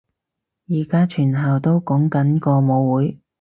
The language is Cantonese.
而家全校都講緊個舞會